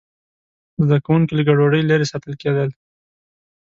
زده کوونکي له ګډوډۍ لرې ساتل کېدل.